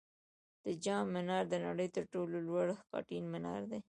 د جام منار د نړۍ تر ټولو لوړ خټین منار دی